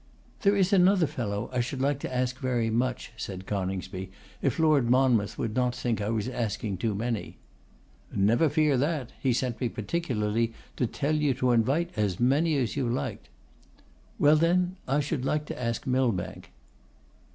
'There is another fellow I should like to ask very much,' said Coningsby, 'if Lord Monmouth would not think I was asking too many.' 'Never fear that; he sent me particularly to tell you to invite as many as you liked.' 'Well, then, I should like to ask Millbank.